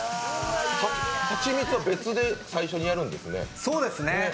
蜂蜜は別で最初にやるんですね？